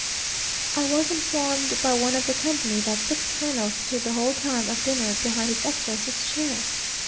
I was informed by one of the company, that six colonels stood the whole time of dinner behind his Excellency's chair!